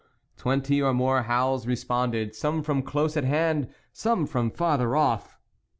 Twenty or more howls responded, some from close at hand, some from farther off.